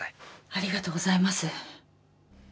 ありがとうございます。